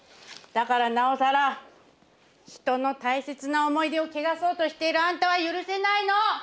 だからなおさら人の大切な思い出を汚そうとしているあんたは許せないの！